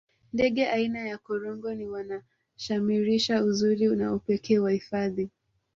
ndege aina ya korongo ni wanashamirisha uzuri na upekee wa hifadhi